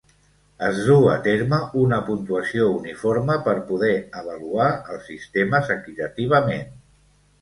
Es duu a terme una puntuació uniforme per poder avaluar els sistemes equitativament.